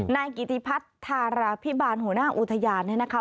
นายกิติพัฒน์ธาราพิบาลหัวหน้าอุทยานเนี่ยนะคะ